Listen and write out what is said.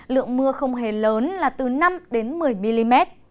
lượng mưa không hề lớn là từ năm đến một mươi mm